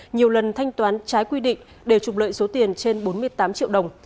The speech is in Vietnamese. nhiều lần thanh toán trái quy định đều trục lợi số tiền trên bốn mươi tám triệu đồng